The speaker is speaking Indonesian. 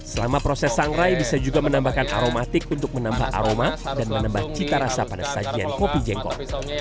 selama proses sangrai bisa juga menambahkan aromatik untuk menambah aroma dan menambah cita rasa pada sajian kopi jengkol